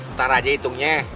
ntar aja hitungnya